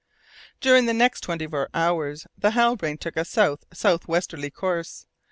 During the next twenty four hours the Halbrane took a south south westerly course.